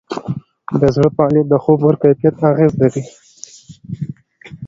د زړه فعالیت د خوب پر کیفیت اغېز لري.